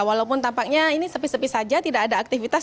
walaupun tampaknya ini sepi sepi saja tidak ada aktivitas